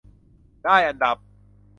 ได้อันดับ